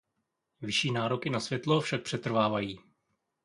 Vyšší nároky na světlo však přetrvávají.